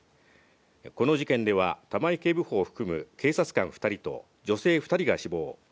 この事件では、玉井警部補を含む警察官２人と、女性２人が死亡。